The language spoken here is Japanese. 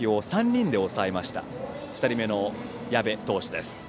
２人目の矢部投手です。